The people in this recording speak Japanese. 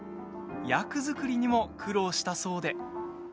役作りにも苦労したそうで。